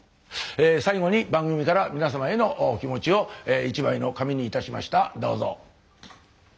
最後に番組から皆様への気持ちを一枚の紙にいたしました。